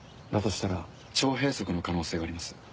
だとしたら腸閉塞の可能性があります。